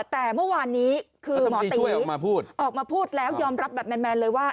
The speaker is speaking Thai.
แต่เมื่อวานนี้คือหมอตีออกมาพูดแล้วยอมรับแบบแมนเลยว่า